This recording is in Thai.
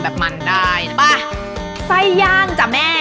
แบบมันได้นะเป้าะใส่ย่างจ๋าแม่